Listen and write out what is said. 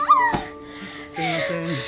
すいません。